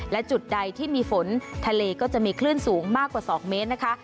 และจุดใดที่มีฝนทะเลก็จะมีคลื่นสูงมากกว่า๒เมตรนะคะ